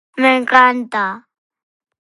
Me encanta.